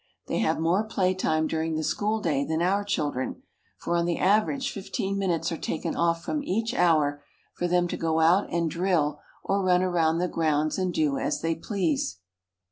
They have more play time during the school day than our children, for on the average fifteen minutes are taken off from each hour for them to go out and drill or run around the grounds and do as they please.